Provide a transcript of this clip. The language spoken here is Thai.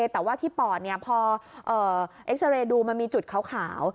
แต่ว่าที่ปอดพอเอ็กซาเรย์ดูมันมีจุดขาว